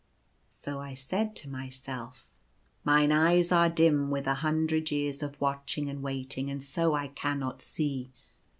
So I said to myself, "' Mine eyes are dim with a hundred years of watching and waiting, and so I cannot see.'